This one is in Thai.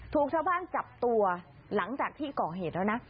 ถูกชาวบ้านจับตัวหลังจากที่ก่อเหตุแล้วนะ